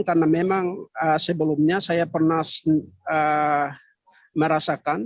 karena memang sebelumnya saya pernah merasakan